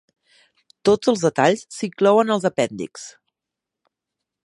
Tots els detalls s'inclouen als apèndixs.